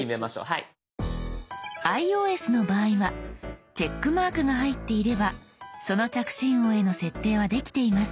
ｉＯＳの場合はチェックマークが入っていればその着信音への設定はできています。